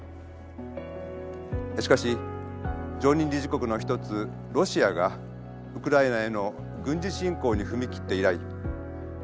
しかし常任理事国の一つロシアがウクライナへの軍事侵攻に踏み切って以来安保理は国際社会の結束ではなく